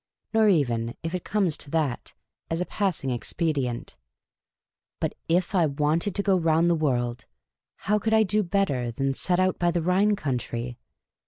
Nor even, if it comes to that, as a passing expedient. But t/ 1 wanted to go round the world, how could I do better than set out by the Rhine country